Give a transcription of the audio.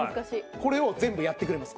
これを全部やってくれます。